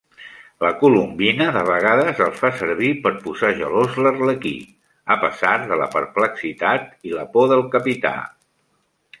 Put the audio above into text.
La Colombina de vegades el fa servir per posar gelós l'Arlequí, a pesar de la perplexitat i la por del Capità.